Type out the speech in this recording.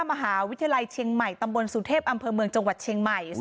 มหาวิทยาลัยเชียงใหม่ตำบลสุเทพอำเภอเมืองจังหวัดเชียงใหม่